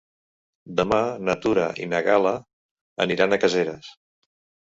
Demà na Tura i na Gal·la aniran a Caseres.